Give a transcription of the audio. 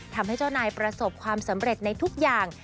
ทำให้เจ้านายประสบความสำเร็จในทุกอย่าง